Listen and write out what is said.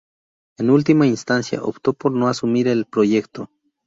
En última instancia, optó por no asumir el proyecto.